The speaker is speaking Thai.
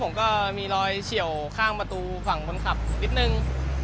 ผมก็มีรอยเฉียวข้างประตูฝั่งคนขับนิดนึง